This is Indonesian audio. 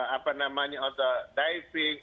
apa namanya untuk diving